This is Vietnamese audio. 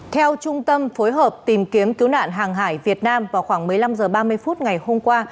theo trung tâm phối hợp tìm kiếm cứu nạn hàng hải việt nam vào khoảng một mươi năm h ba mươi phút ngày hôm qua